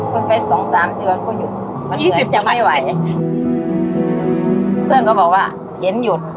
ผมไปสองสามเดือนก็หยุด